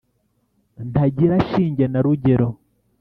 ntagira shinge na rugero